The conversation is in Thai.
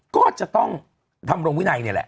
ก็จะต้องทำรงวินัยนี่แหละ